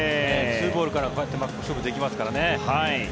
２ボールからこうやって勝負できますからね。